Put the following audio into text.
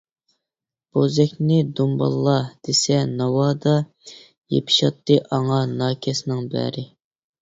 بوزەكنى دۇمبالا دېسە ناۋادا، يېپىشاتتى ئاڭا ناكەسنىڭ بەرى.